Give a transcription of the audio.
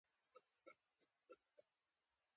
د شولو د کرلو تاریخ یې ډېر اوږد دی.